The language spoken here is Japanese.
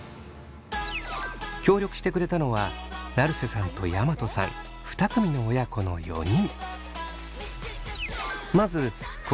協力してくれたのは成瀬さんと山戸さん２組の親子の４人。